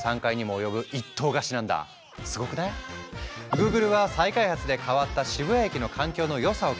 グーグルは再開発で変わった渋谷駅の環境の良さを気に入り